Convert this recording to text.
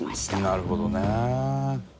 なるほどね。